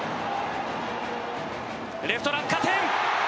レフト、落下点。